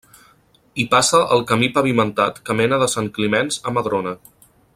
Hi passa el camí pavimentat que mena de Sant Climenç a Madrona.